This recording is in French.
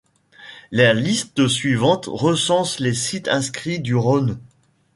La liste suivante recense les sites inscrits du Rhône.